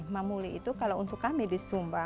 mamuli itu kalau untuk kami di sumba